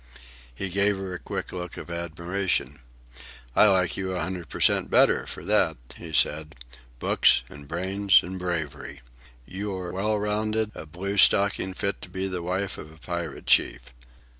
He gave her a quick look of admiration. "I like you a hundred per cent. better for that," he said. "Books, and brains, and bravery. You are well rounded, a blue stocking fit to be the wife of a pirate chief.